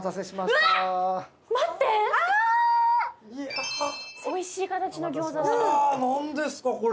うわ何ですかこれ。